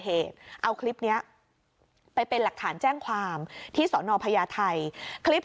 เหตุเอาคลิปนี้ไปเป็นหลักฐานแจ้งความที่สอนอพญาไทยคลิป